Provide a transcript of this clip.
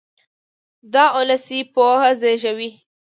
دا اولسي پوهه زېږوي.